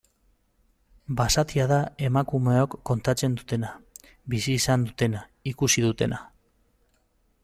Basatia da emakumeok kontatzen dutena, bizi izan dutena, ikusi dutena.